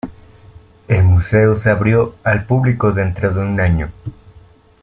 El museo se abrió al público dentro de un año.